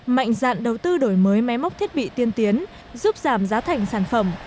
mạnh dạn đầu tư đổi mới máy móc thiết bị tiên tiến giúp giảm giá thành sản phẩm